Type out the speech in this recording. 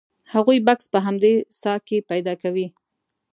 هغوی بکس په همدې څاه کې پیدا کوي.